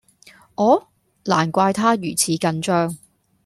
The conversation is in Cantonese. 啊！難怪她如此緊張